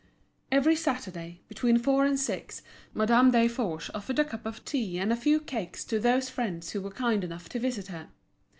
Every Saturday, between four and six, Madame Desforges offered a cup of tea and a few cakes to those friends who were kind enough to visit her.